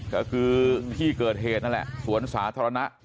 ก็คือที่เกิดเหตุภาพอาร์เมริกัล